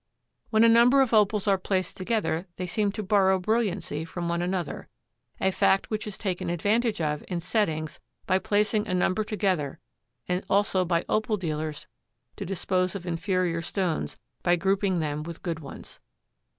When a number of Opals are placed together they seem to borrow brilliancy from one another, a fact which is taken advantage of in settings by placing a number together and also by Opal dealers to dispose of inferior stones by grouping them with good ones.